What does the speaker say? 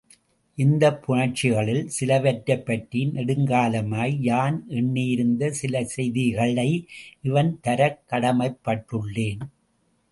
இந்தப் புணர்ச்சிகளுள் சிலவற்றைப் பற்றி நெடுங்காலமாய் யான் எண்ணியிருந்த சில செய்திகளை இவண் தரக் கடமைப்பட்டுள்ளேன்.